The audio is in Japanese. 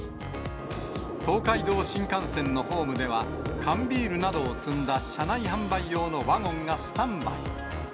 東海道新幹線のホームでは、缶ビールなどを積んだ車内販売用のワゴンがスタンバイ。